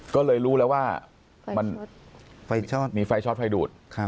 ก็เลยรู้แล้วว่ามันมีไฟช็อตไฟดูด